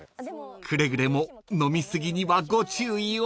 ［くれぐれも飲み過ぎにはご注意を］